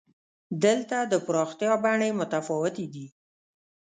دلته د پراختیا بڼې متفاوتې دي.